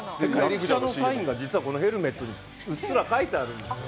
役者のサインが実はこのヘルメットにうっすら書いてあるんですよ。